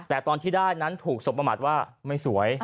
แต่ตอนที่ได้นั้นถูกสมประมาทว่าไม่สวย